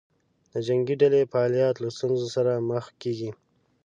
د جنګې ډلې فعالیت له ستونزې سره مخ کېږي.